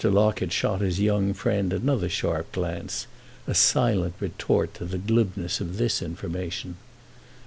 Locket shot his young friend another sharp glance, a silent retort to the glibness of this information.